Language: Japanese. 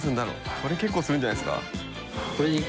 これ結構するんじゃないですか？